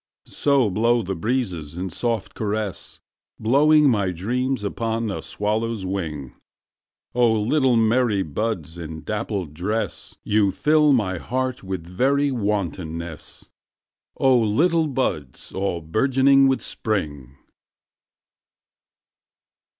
So blow the breezes in a soft caress, Blowing my dreams upon a swallow's wing;O little merry buds in dappled dress, You fill my heart with very wantonness—O little buds all bourgeoning with Spring!